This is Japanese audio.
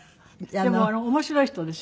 でも面白い人でしょ？